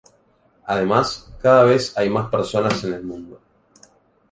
Además, cada vez hay más personas en el mundo.